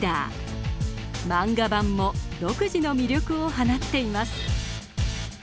漫画版も独自の魅力を放っています。